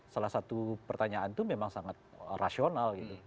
salah satu pertanyaan itu memang sangat rasional gitu